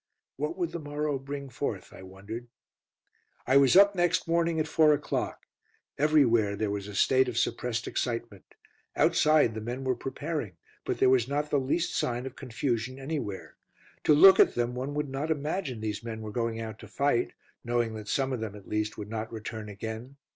"What would the morrow bring forth?" I wondered. I was up next morning at four o'clock. Everywhere there was a state of suppressed excitement. Outside the men were preparing, but there was not the least sign of confusion anywhere. To look at them one would not imagine these men were going out to fight, knowing that some of them at least would not return again.